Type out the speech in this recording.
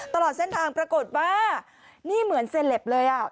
ตลอดเส้นทางปรากฏว่านี่เหมือนเซลปเลยอ่ะ